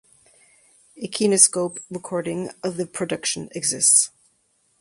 A kinescope recording of the production exists.